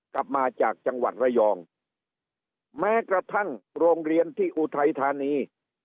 กลับมาจากจังหวัดระยองแม้กระทั่งโรงเรียนที่อุทัยธานี